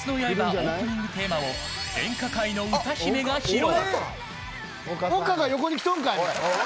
オープニングテーマを演歌界の歌姫が披露。